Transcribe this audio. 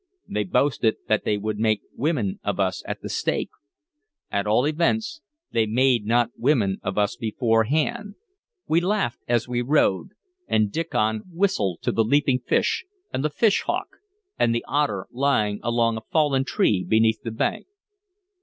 They boasted that they would make women of us at the stake. At all events, they made not women of us beforehand. We laughed as we rowed, and Diccon whistled to the leaping fish, and the fish hawk, and the otter lying along a fallen tree beneath the bank.